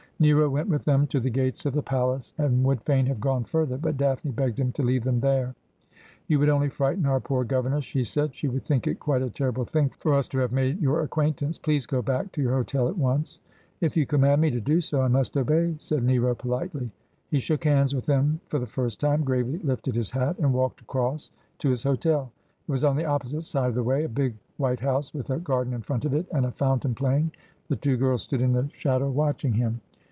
Nero went with them to the gates of the palace, and would fain have gone further, but Daphne begged him to leave them there. ' You would only frighten our poor governess,' she said. ' She would think it quite a terrible thing for us to have made your acquaintance. Please go back to your hotel at once.' 'If you command me to do so, I must obey, said Nero politely. He shook hands with them for the first time, gravely lifted his Jiat, and walked across to his hotel. It was on the opposite side of the way, a big white house, with a garden in front of it, and a fountain playing. The two girls stood in the shadow watching him.